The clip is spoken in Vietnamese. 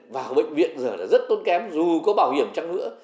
vào bệnh viện giờ là rất tốn kém dù có bảo hiểm chăng nữa